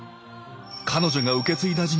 彼女が受け継いだ事業